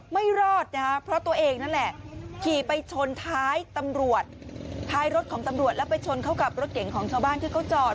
ไม่รอดนะฮะเพราะตัวเองนั่นแหละขี่ไปชนท้ายตำรวจท้ายรถของตำรวจแล้วไปชนเข้ากับรถเก่งของชาวบ้านที่เขาจอด